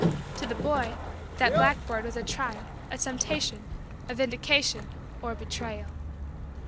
To the boy, that blackboard was a trial, a temptation, a vindication, or a betrayal.